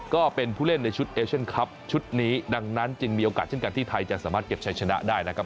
ก็เป็นผู้เล่นในชุดเอเชียนคลับชุดนี้ดังนั้นจึงมีโอกาสเช่นกันที่ไทยจะสามารถเก็บชัยชนะได้นะครับ